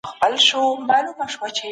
پولیس باید له خلګو سره بد چلند ونه کړي.